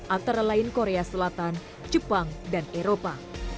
antara lain korea selatan jepang dan eropa